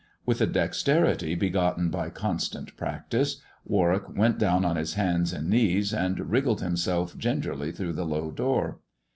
With a dexterity begotten by constant practice, Warwick went down on his hands and knees, and wriggled liimself gingerly through the low door.